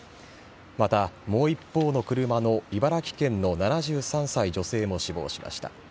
また、もう一方の車の茨城県の７３歳女性も死亡しました。